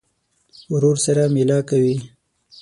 ورور سره مېله کوې.